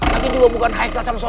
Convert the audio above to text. lagi dia bukan haikal sama sobri